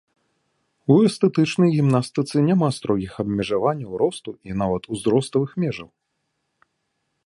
У эстэтычнай гімнастыцы няма строгіх абмежаванняў росту і нават узроставых межаў.